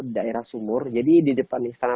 daerah sumur jadi di depan istana